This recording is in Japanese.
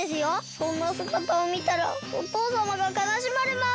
そんなすがたをみたらおとうさまがかなしまれます。